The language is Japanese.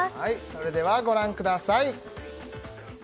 それではご覧ください